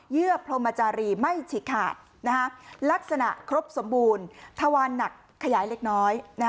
เยืมจารีไม่ฉีกขาดลักษณะครบสมบูรณ์ทวานหนักขยายเล็กน้อย